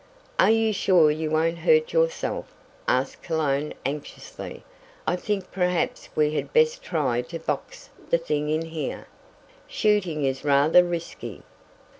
"Are you sure you won't hurt yourself?" asked Cologne anxiously. "I think perhaps we had best try to box the thing in here. Shooting is rather risky."